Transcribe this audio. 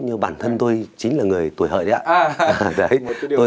như bản thân tôi chính là người tuổi hợi đấy ạ